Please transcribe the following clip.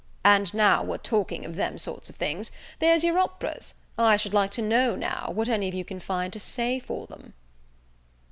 "And now we're talking of them sort of things, there's your operas, I should like to know, now, what any of you can find to say for them."